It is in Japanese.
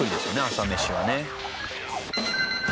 朝メシはね。